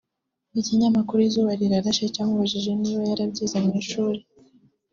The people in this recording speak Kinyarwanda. Ikinyamakuru Izuba Rirashe cyamubajije niba yarabyize mu ishuri